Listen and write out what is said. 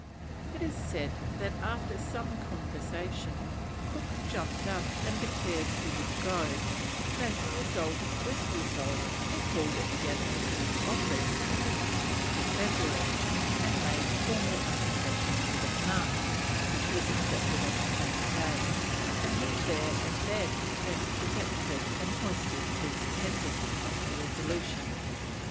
It is said that after some conversation Cook jumped up and declared he would go, and as the result of this resolve he called at the Admiralty Office on 10th February, and made formal application for the command, which was accepted on the same day, and he there and then went to Deptford and hoisted his pendant on the Resolution.